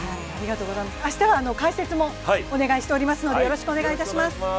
明日は解説もお願いしていますのでよろしくお願いします。